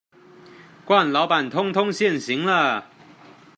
慣老闆通通現形啦